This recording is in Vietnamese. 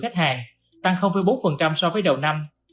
tăng bốn so với đầu năm